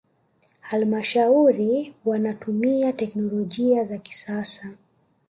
halmashauri wanatumia teknolojia za kisasa